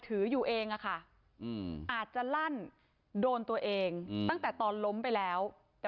ตอนนี้กำลังจะโดดเนี่ยตอนนี้กำลังจะโดดเนี่ย